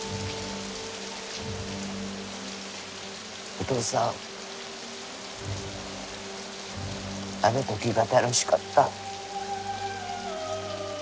お父さんあの時が楽しかった。